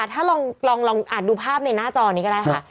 ถ้าลองอ่านดูภาพในหน้าจอนี้ก็ได้ค่ะ